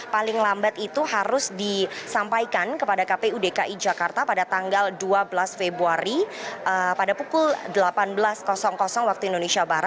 paling lambat itu harus disampaikan kepada kpu dki jakarta pada tanggal dua belas februari pada pukul delapan belas waktu indonesia barat